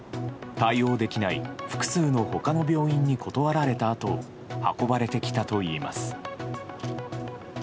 対応できない複数の他の病院に断られたあと運ばれてきたといいます。